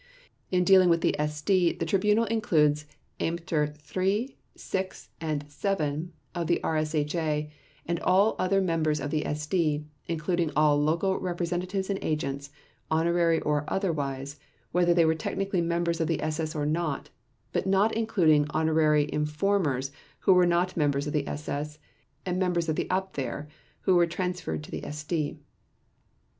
In dealing with the SD the Tribunal includes Ämter III, VI, and VII of the RSHA and all other members of the SD, including all local representatives and agents, honorary or otherwise, whether they were technically members of the SS or not, but not including honorary informers who were not members of the SS, and members of the Abwehr who were transferred to the SD.